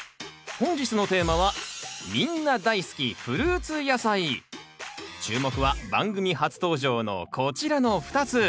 本日のテーマはみんな大好き注目は番組初登場のこちらの２つ。